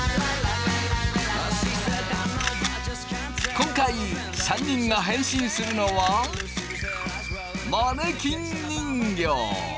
今回３人が変身するのはマネキン人形。